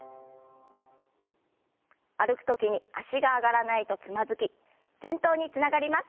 歩く時に脚が上がらないとつまずき転倒につながります。